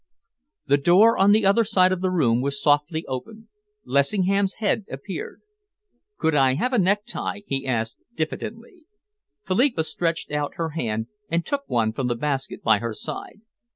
The door on the other side of the room was softly opened. Lessingham's head appeared. "Could I have a necktie?" he asked diffidently. Philippa stretched out her hand and took one from the basket by her side.